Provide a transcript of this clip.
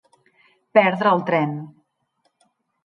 Perdre el tren.